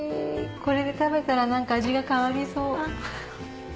これで食べたら味が変わりそう。